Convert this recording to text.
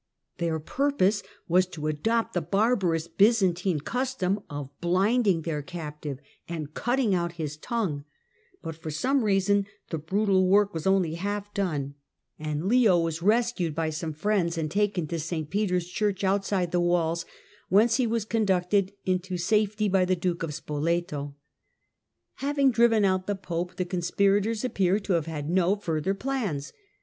Their purpose was to adopt the barbarous Byzantine custom of blinding their captive and cutting out his tongue, but for sonic reason the brutal work was only half done, and Leo was 174 THE DAWN OF MEDIAEVAL EUROPE rescued by some friends and taken to St. Peter's Church, outside the walls, whence he was conducted into safety by the Duke of Spoleto. Having driven out the Pope the conspirators appear to have had no further plans.